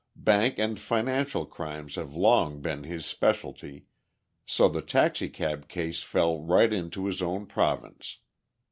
Bank and financial crimes have long been his specialty, so the taxicab case fell right into his own province.